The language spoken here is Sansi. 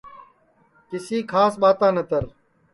کسی کھاس ٻاتا نتر